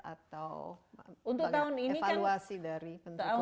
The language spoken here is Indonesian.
atau evaluasi dari bentuk